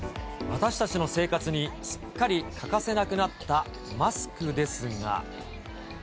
私たちの生活にすっかり欠かせなくなったマスクですが。